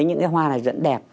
những cái hoa này vẫn đẹp